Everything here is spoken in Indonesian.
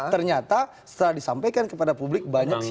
ternyata setelah disampaikan kepada publik